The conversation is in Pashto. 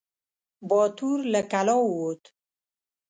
باتور له کلا ووت.